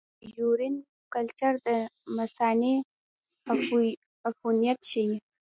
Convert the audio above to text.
د یورین کلچر د مثانې عفونت ښيي.